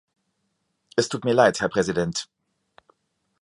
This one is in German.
Es tut mir Leid, Herr Präsident.